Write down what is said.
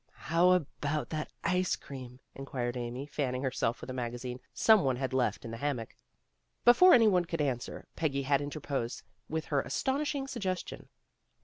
"How about ice cream? " inquired Amy, fanning herself with a magazine some one had left in the ham mock. Before any one could answer, Peggy had in terposed with her astonishing suggestion.